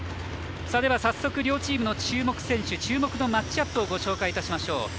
早速、両チームの注目選手注目のマッチアップをご紹介しましょう。